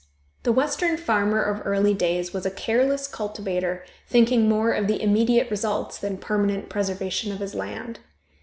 The Western farmer of early days was a careless cultivator, thinking more of the immediate results than permanent preservation of his land.